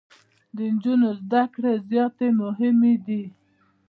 د انجونو زده کړي زياتي مهمي دي.